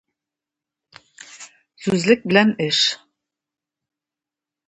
Сүзлек белән эш.